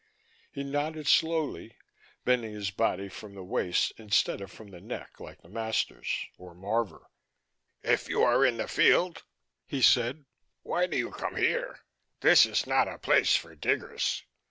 He nodded slowly, bending his body from the waist instead of from the neck like the masters, or Marvor. "If you are in the field," he said, "why do you come here? This is not a place for diggers."